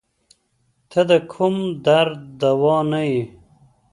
ته د کوم درد دوا نه یی